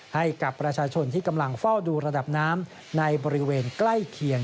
ให้กับประชาชนที่กำลังเฝ้าดูระดับน้ำในบริเวณใกล้เคียง